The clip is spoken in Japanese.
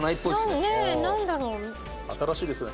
新しいですね。